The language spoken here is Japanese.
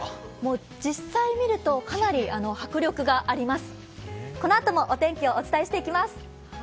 実際見るとかなり迫力があります。